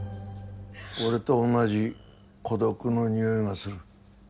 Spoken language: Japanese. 俺と同じ孤独の匂いがする。